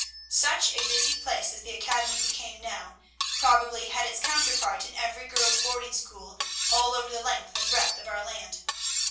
Such a busy place as the academy became now, probably had its counterpart in every girls' boarding school all over the length and breadth of our land.